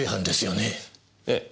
ええ。